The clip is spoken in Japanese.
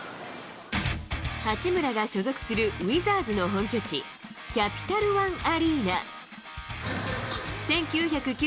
八村が所属するウィザーズの本拠地、キャピタルワン・アリーナ。